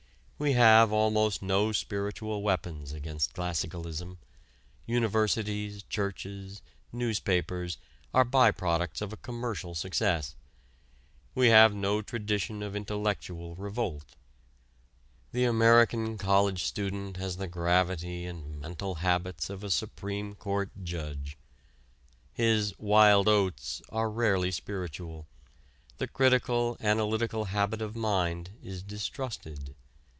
We have almost no spiritual weapons against classicalism: universities, churches, newspapers are by products of a commercial success; we have no tradition of intellectual revolt. The American college student has the gravity and mental habits of a Supreme Court judge; his "wild oats" are rarely spiritual; the critical, analytical habit of mind is distrusted.